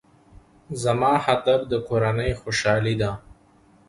زما هدف د کورنۍ خوشحالي ده.